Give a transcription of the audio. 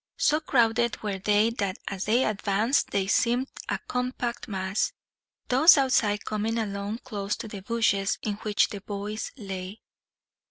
So crowded were they that as they advanced they seemed a compact mass, those outside coming along close to the bushes in which the boys lay.